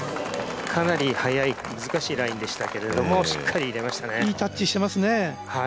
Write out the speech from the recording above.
かなりはやい、難しいラインでしたけどいいタッチしていますね。